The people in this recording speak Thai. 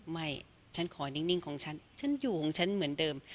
ไม่ฉันขอนิ่งของฉันฉันอยู่ของฉันเหมือนเดิม